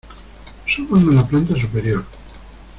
suban a la planta superior.